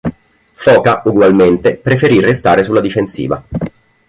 Foca, ugualmente, preferì restare sulla difensiva.